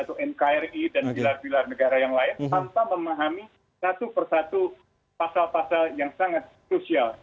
itu nkri dan pilar pilar negara yang lain tanpa memahami satu persatu pasal pasal yang sangat sosial